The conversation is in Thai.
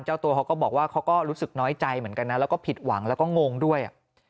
เจ้าตัวเขาก็บอกว่าเขาก็รู้สึกน้อยใจเหมือนกันนะแล้วก็ผิดหวังแล้วก็งงด้วย